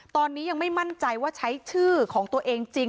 ตอนนี้ยังไม่มั่นใจว่าใช้ชื่อของตัวเองจริง